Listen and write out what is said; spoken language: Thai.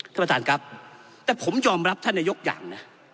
ท่านประธานครับแต่ผมยอมรับท่านนายกอย่างนะ